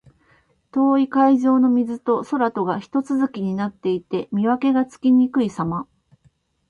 遠い海上の水と空とがひと続きになって、見分けがつきにくいさま。